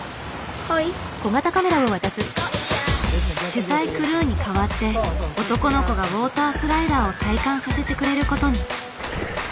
取材クルーに代わって男の子がウォータースライダーを体感させてくれることに。